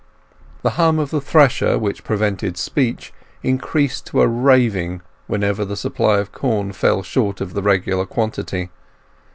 The hum of the thresher, which prevented speech, increased to a raving whenever the supply of corn fell short of the regular quantity.